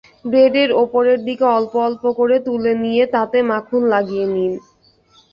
ব্রেডের ওপরের দিকে অল্প অল্প করে তুলে নিয়ে তাতে মাখন লাগিয়ে নিন।